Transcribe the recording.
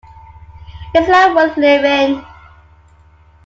Is Life Worth Living?